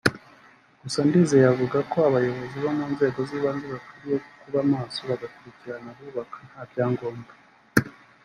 Gusa Ndizeye avuga ko abayobozi bo mu nzego z’ibanze bakwiriye kuba amaso bagakurikirana abubaka nta byangombwa